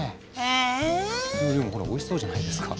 ええ⁉でもおいしそうじゃないですか。